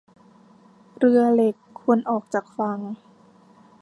เรือเหล็กควรออกจากฝั่ง